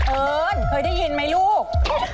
เอิญเคยได้ยินไหมลูก